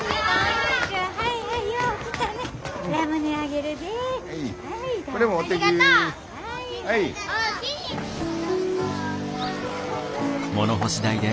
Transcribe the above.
はい。